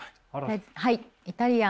はい。